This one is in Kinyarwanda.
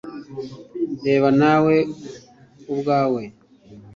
reba nawe ubwawe